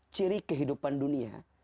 ciri kehidupan dunia